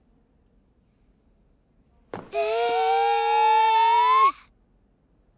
え⁉